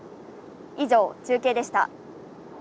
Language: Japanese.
以上、中継でした。